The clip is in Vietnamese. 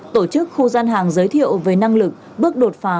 tổ chức khu gian hàng giới thiệu về năng lực bước đột phá